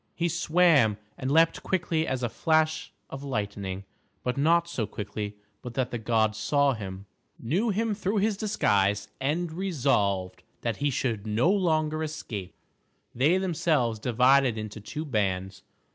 He swam and leaped quick as a flash of lightning, but not so quickly but that the gods saw him, knew him through his disguise, and resolved that he should no longer escape. They themselves divided into two bands.